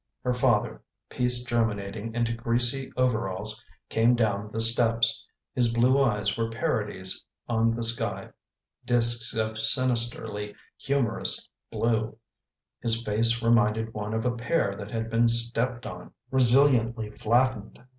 Her father — peace germinating into greasy overalls — came down the steps. His blue eyes were parodies on the sky — discs of sinisterly humourous blue; his face reminded one of a pear that had been stepped on — resiliency flattened.